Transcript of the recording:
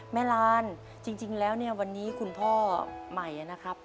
ลานจริงแล้วเนี่ยวันนี้คุณพ่อใหม่นะครับ